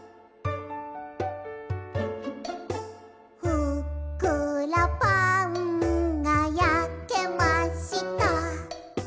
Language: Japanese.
「ふっくらパンが焼けました」